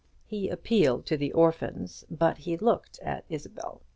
He appealed to the orphans, but he looked at Isabel.